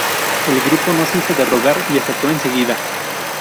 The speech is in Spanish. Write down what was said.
El grupo no se hizo de rogar y aceptó enseguida.